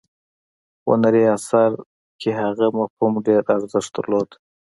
هنري اثر کې هغه مفهوم ډیر ارزښت درلود.